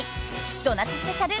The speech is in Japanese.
［ド夏スペシャル